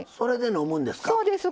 そうです